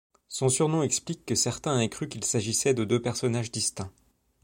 Son surnom explique que certains aient cru qu'il s'agissait de deux personnages distincts.